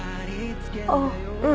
あっうん。